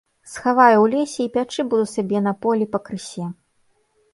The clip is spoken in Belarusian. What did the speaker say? Схаваю ў лесе і пячы буду сабе на полі пакрысе.